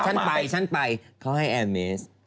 ฉันไปเค้าให้แอร์เม้ส